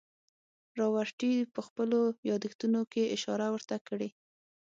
راورټي په خپلو یادښتونو کې اشاره ورته کړې.